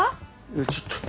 いやちょっと。